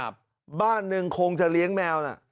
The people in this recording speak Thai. บ้านหนึ่งคงจะเลี้ยงแมวน่ะ